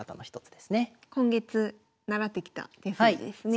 今月習ってきた手筋ですね。